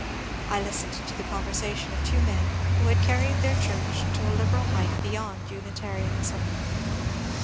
I listened to the conversation of two men who had carried their church to a liberal height beyond Unitarianism.